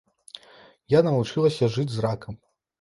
Я навучылася жыць з ракам.